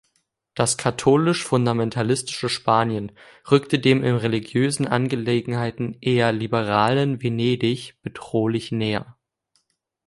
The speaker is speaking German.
Das katholisch-fundamentalistische Spanien rückte dem in religiösen Angelegenheiten eher liberalen Venedig bedrohlich näher.